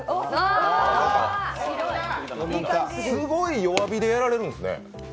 すごい弱火でやられるんですね。